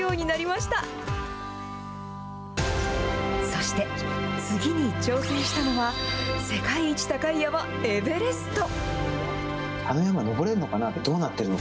そして、次に挑戦したのは、世界一高い山、エベレスト。